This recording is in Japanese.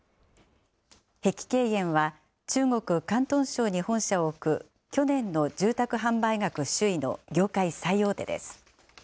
碧桂園は、中国・広東省に本社を置く、去年の住宅販売額首位の業界最大手です。